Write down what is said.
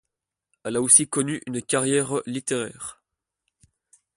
Elle a aussi connu une carrière littéraire.